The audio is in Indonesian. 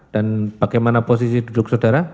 dan bagaimana posisi duduk saudara